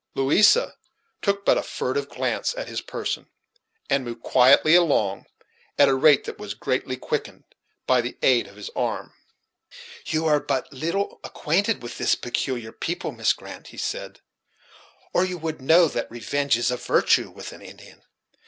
Louisa took but a furtive glance at his person, and moved quietly along, at a rate that was greatly quickened by the aid of his arm. "You are but little acquainted with this peculiar people, Miss Grant," he said, "or you would know that revenge is a virtue with an Indian.